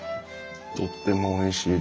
とってもおいしいです。